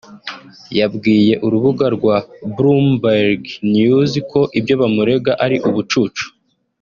yabwiye urubuga rwa Bloomberg News ko ibyo bamurega ari ubucucu